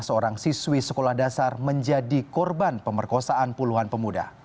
seorang siswi sekolah dasar menjadi korban pemerkosaan puluhan pemuda